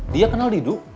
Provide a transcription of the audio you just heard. dia kenal didu